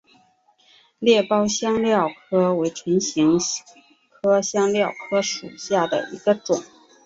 裂苞香科科为唇形科香科科属下的一个种。